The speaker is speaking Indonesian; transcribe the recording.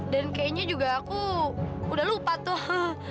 dan kayaknya juga aku udah lupa tuh